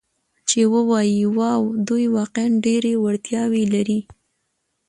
چې ووایي: 'واو، دوی واقعاً ډېرې وړتیاوې لري.